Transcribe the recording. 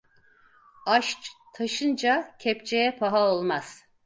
Aş taşınca kepçeye paha olmaz.